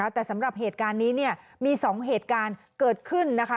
แต่สำหรับเหตุการณ์นี้มี๒เหตุการณ์เกิดขึ้นนะคะ